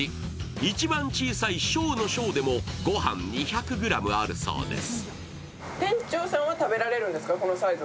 一番小さい小の小でもご飯２００ｇあるそうです。